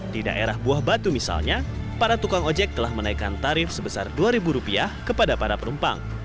di daerah buah batu misalnya para tukang ojek telah menaikkan tarif sebesar rp dua kepada para penumpang